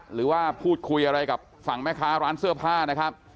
หรือว่าพูดคุยอะไรกับฝั่งแม่ค้าร้านเสื้อผ้านะครับ